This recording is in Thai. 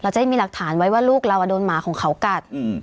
จะได้มีหลักฐานไว้ว่าลูกเราโดนหมาของเขากัด